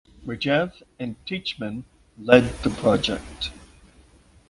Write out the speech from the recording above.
Regev and Teichmann lead the project.